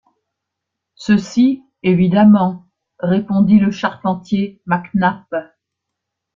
Ceci, évidemment, répondit le charpentier Mac Nap.